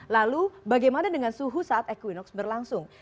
lalu bagaimana dengan suhu saat equinox berlangsung